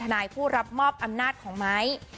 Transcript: นายผู้รับมอบอำนาจของไม้